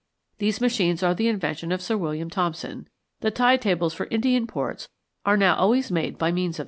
These machines are the invention of Sir William Thomson. The tide tables for Indian ports are now always made by means of them.